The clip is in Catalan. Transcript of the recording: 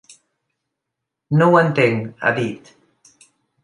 No ho entenc, ha dit.